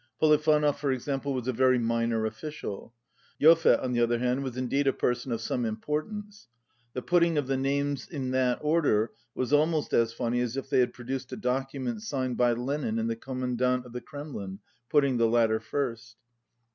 Polivanov, for example, was a very minor official. Joffe, on the other hand, was indeed a person of some importance. The putting of the names in that order was almost as funny as if they had produced a document signed by Lenin and the Commandant of the Kremlin, putting the latter first.